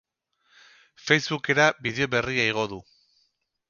Facebook-era bideo berria igo du.